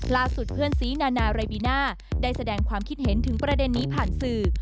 เพื่อนซีนานาเรบิน่าได้แสดงความคิดเห็นถึงประเด็นนี้ผ่านสื่อ